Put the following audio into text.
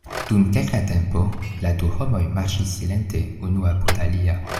Dum kelka tempo la du homoj marŝis silente unu apud alia.